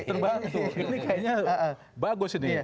ini kayaknya bagus ini